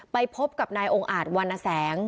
ไปพบกับนายองค์อาจวรรณแสง